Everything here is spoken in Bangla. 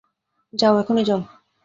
যাও, এখনি, যাও।